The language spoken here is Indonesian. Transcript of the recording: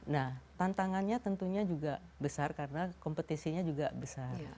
nah tantangannya tentunya juga besar karena kompetisinya juga besar